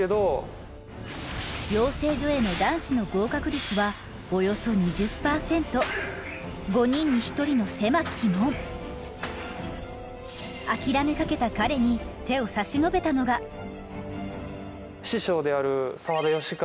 養成所への男子の合格率はおよそ２０％５人に１人の狭き門諦めかけた彼に師匠である。